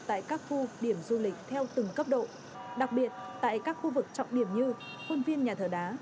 tại các khu điểm du lịch theo từng cấp độ đặc biệt tại các khu vực trọng điểm như khuôn viên nhà thờ đá